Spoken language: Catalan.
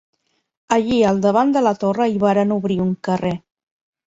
Allí al davant de la torra hi varen obrir un carrer.